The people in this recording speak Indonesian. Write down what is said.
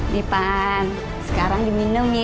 nih pan sekarang diminum ya